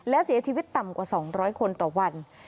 และเสียชีวิตต่ำกว่า๒๐๐คนต่อวัน